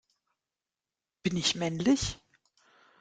Bin ich männlich?